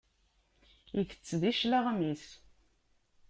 Itett di cclaɣem-is.